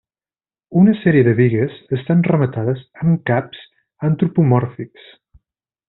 Una sèrie de bigues estan rematades amb caps antropomòrfics.